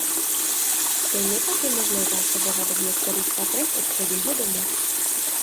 Stejně tak je možné zásobovat v některých patrech obchodního domu.